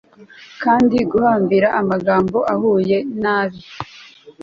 kandi, guhambira amagambo ahuye nabi